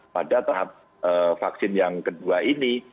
pada tahap vaksin yang kedua ini